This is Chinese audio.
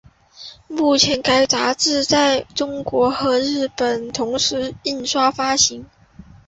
目前该杂志在中国和日本同时印刷发行。